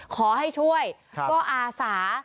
ขอให้ช่วยก็อาสา